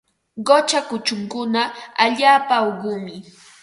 Qucha kuchunkuna allaapa uqumi.